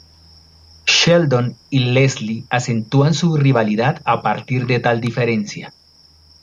Sheldon y Leslie acentúan su rivalidad a partir de tal diferencia.